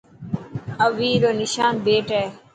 اوي رو نشان بيٽ هي.